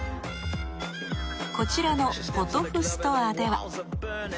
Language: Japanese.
こちらのポトフ・ストアーでは。